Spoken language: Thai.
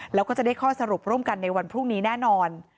แล้วก็จะได้ข้อสรุปร่วมกันในวันพรุ่งนี้แน่นอน